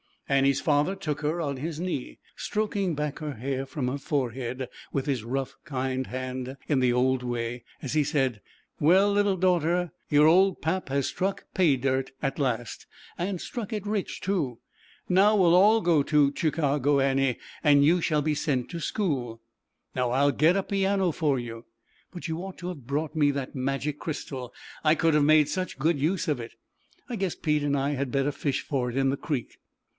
Annie's father took her on his knee, stroking back her hair from her forehead, with his rough, kind hand in the old way, as he said: "Well, little daughter, your old Pap has struck 'pay dirt' at last and struck it rich too. Now, we'll all go to Chicago, Annie, and you shall be sent to school. Now I'll get a piano for you. But you ought to have brought me that Magic Crystal, I could have made such good use of it, I guess Pete and I had better fish for it in the creek."